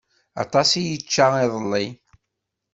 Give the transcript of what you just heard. Aṭas i yečča iḍelli.